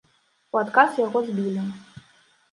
У адказ яго збілі.